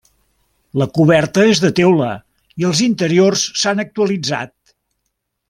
La coberta és de teula i els interiors s'han actualitzat.